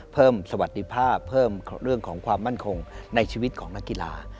สวัสดีภาพเพิ่มเรื่องของความมั่นคงในชีวิตของนักกีฬา